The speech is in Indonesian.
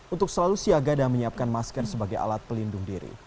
untuk selalu siaga dan menyiapkan masker sebagai alat pelindung diri